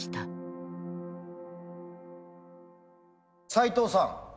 斎藤さん